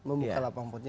membuka lapang potnya